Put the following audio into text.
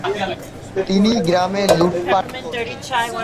তিনি গ্রামে লুটপাট করতেন।